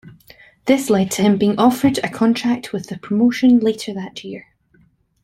This led to him being offered a contract with the promotion later that year.